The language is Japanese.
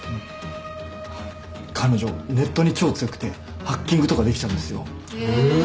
彼女ネットに超強くてハッキングとかできちゃうんですよ。へ。